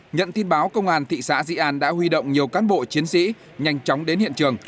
nhận tin báo công an thị xã di an đã huy động nhiều cán bộ chiến sĩ nhanh chóng đến hiện trường